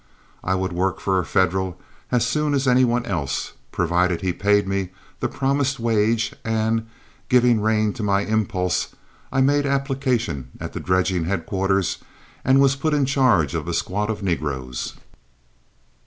I would work for a Federal as soon as any one else, provided he paid me the promised wage, and, giving rein to my impulse, I made application at the dredging headquarters and was put in charge of a squad of negroes.